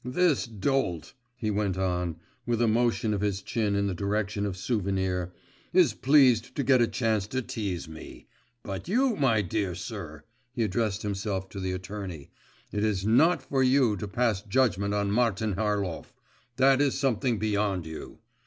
'This dolt,' he went on, with a motion of his chin in the direction of Souvenir, 'is pleased to get a chance to teaze me; but you, my dear sir,' he addressed himself to the attorney, 'it is not for you to pass judgment on Martin Harlov; that is something beyond you.